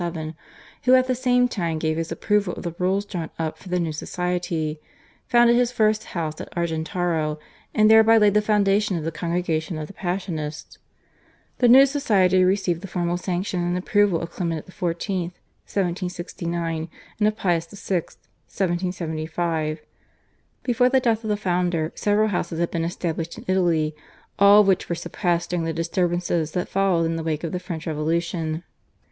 (1727) who at the same time gave his approval of the rules drawn up for the new society, founded his first house at Argentaro, and thereby laid the foundation of the Congregation of the Passionists. The new society received the formal sanction and approval of Clement XIV. (1769) and of Pius VI. (1775). Before the death of the founder several houses had been established in Italy, all of which were suppressed during the disturbances that followed in the wake of the French Revolution.